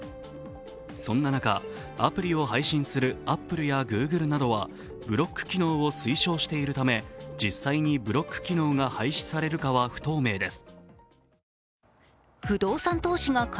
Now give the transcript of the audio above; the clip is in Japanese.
そんな中、アプリを配信するアップルやＧｏｏｇｌｅなどはブロック機能を推奨しているため実際にブロック機能が廃止されるかは不透明です。